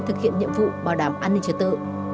thực hiện nhiệm vụ bảo đảm an ninh trật tự